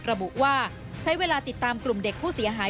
ระบุว่าใช้เวลาติดตามกลุ่มเด็กผู้เสียหาย